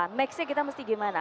nextnya kita mesti gimana